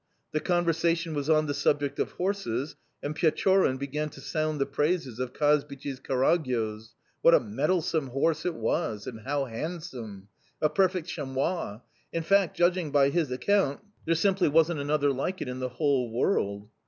The conversation was on the subject of horses, and Pechorin began to sound the praises of Kazbich's Karagyoz. What a mettlesome horse it was, and how handsome! A perfect chamois! In fact, judging by his account, there simply wasn't another like it in the whole world!